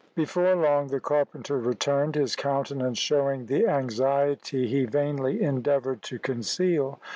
Before long the carpenter returned, his countenance showing the anxiety he vainly endeavoured to conceal.